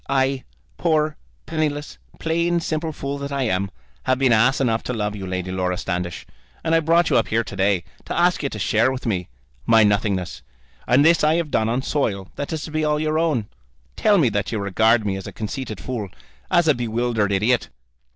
I, poor, penniless, plain simple fool that I am, have been ass enough to love you, Lady Laura Standish; and I brought you up here to day to ask you to share with me my nothingness. And this I have done on soil that is to be all your own. Tell me that you regard me as a conceited fool, as a bewildered idiot."